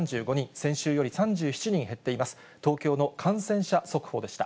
先週より３７人減っています。